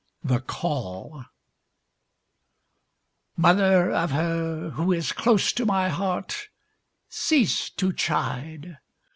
127 THE CALL Mother of her who is close to my heart Cease to chide!